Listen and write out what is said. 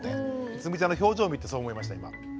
つむぎちゃんの表情を見てそう思いました今。